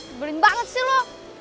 gebelin banget sih lo